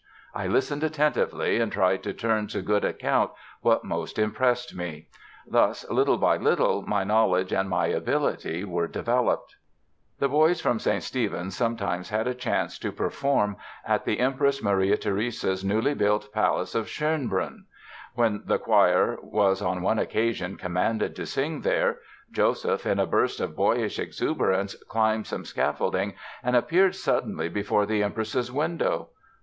I listened attentively and tried to turn to good account what most impressed me. Thus little by little my knowledge and my ability were developed." The boys from St. Stephen's sometimes had a chance to perform at the Empress Maria Theresia's newly built palace of Schönbrunn. When the choir was on one occasion commanded to sing there Joseph, in a burst of boyish exuberance, climbed some scaffolding and appeared suddenly before the Empress's window.